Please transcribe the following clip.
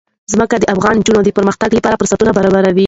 ځمکه د افغان نجونو د پرمختګ لپاره فرصتونه برابروي.